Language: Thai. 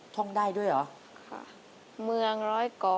ท่องได้ด้วยเหรอ